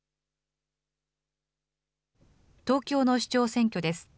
東京の市長選挙です。